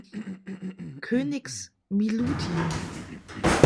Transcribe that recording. Königs Milutin.